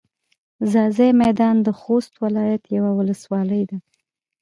ځاځي میدان د خوست ولایت یوه ولسوالي ده.